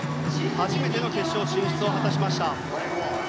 初めての決勝進出を果たしました。